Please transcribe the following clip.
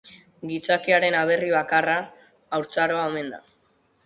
Gizakiaren aberri bakarra haurtzaroa omen da.